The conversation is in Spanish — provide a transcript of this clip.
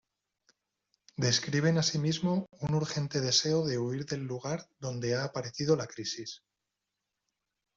Describen asimismo un urgente deseo de huir del lugar donde ha aparecido la crisis.